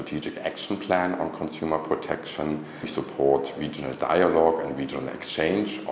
tổ chức doanh nghiệp doanh nghiệp sẽ đối phó với mối quan hệ doanh nghiệp